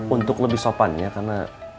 untuk lebih sopannya karena